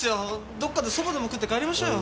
どっかで蕎麦でも食って帰りましょうよ。